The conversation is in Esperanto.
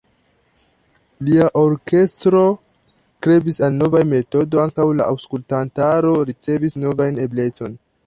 Lia orkestro strebis al novaj metodoj, ankaŭ la aŭskultantaro ricevis novajn eblecojn.